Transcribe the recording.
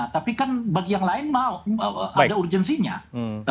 tapi kan bagi yang lain ada urgensinya